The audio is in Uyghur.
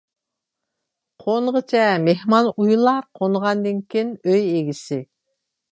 قونغۇچە مېھمان ئۇيىلار، قونغاندىن كېيىن ئۆي ئىگىسى.